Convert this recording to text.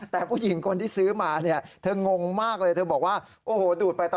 แต่ผู้หญิงคนที่ซื้อมาเนี่ยเธองงมากเลยเธอบอกว่าโอ้โหดูดไปต่อ